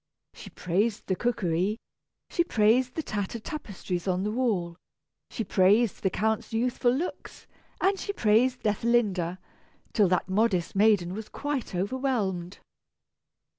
She praised the cookery, she praised the tattered tapestries on the wall, she praised the Count's youthful looks, and she praised Ethelinda, till that modest maiden was quite overwhelmed.